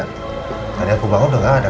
tadi aku bangun udah gak ada